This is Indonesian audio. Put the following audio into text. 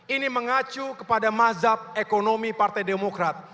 ini mengacu kepada mazhab ekonomi partai demokrat